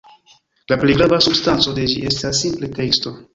La plej grava substanco de ĝi estas simple teksto.